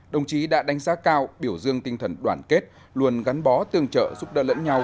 đồng chí đã đánh giá cao biểu dương tinh thần đoàn kết luôn gắn bó tương trợ giúp đỡ lẫn nhau